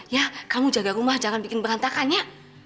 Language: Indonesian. ya kamu jaga rumah jangan bikin berantakan ya